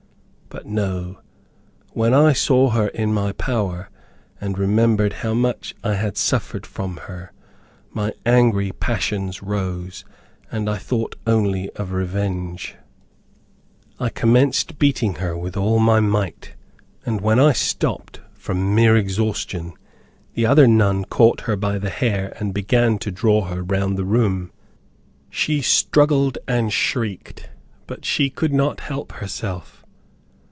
But no. When I saw her in my power, and remembered how much I had suffered from her, my angry passions rose, and I thought only of revenge. I commenced beating her with all my might, and when I stopped from mere exhaustion, the other nun caught her by the hair and began to draw her round the room. She struggled and shrieked, but she could not help herself.